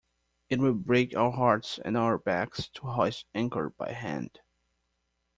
It will break our hearts and our backs to hoist anchor by hand.